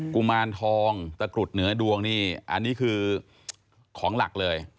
กุมารทองตะกรุดเหนือดวงนี่อันนี้คือของหลักเลย